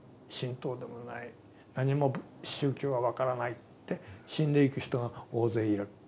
何も宗教は分からないって死んでいく人が大勢いる。